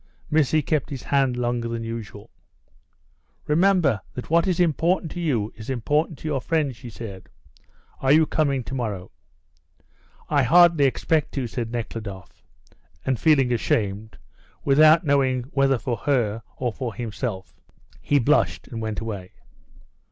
Missy kept his hand longer than usual. "Remember that what is important to you is important to your friends," she said. "Are you coming tomorrow?" "I hardly expect to," said Nekhludoff; and feeling ashamed, without knowing whether for her or for himself, he blushed and went away.